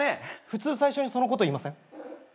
普通最初にそのこと言いません？